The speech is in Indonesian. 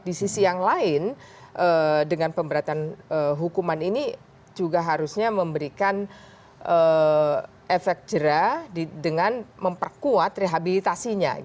di sisi yang lain dengan pemberatan hukuman ini juga harusnya memberikan efek jerah dengan memperkuat rehabilitasinya